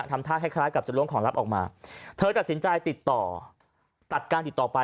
ทำท่าคล้ายคล้ายกับจะล้วงของลับออกมาเธอตัดสินใจติดต่อตัดการติดต่อไป